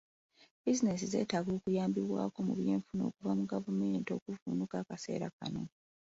Bizinensi zeetaaga okuyambibwako mu byenfuna okuva mu gavumenti okuvvuunuka akaseera kano.